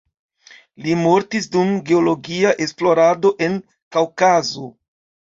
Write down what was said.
Li mortis dum geologia esplorado en Kaŭkazo.